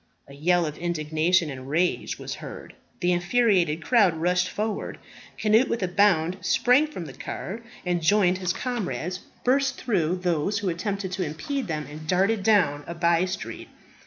A yell of indignation and rage was heard. The infuriated crowd rushed forward. Cnut, with a bound, sprang from the car, and, joining his comrades, burst through those who attempted to impede them, and darted down a by street.